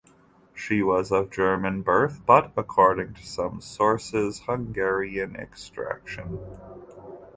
She was of German birth but, according to some sources, Hungarian extraction.